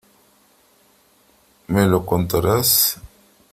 ¿Me lo contarás?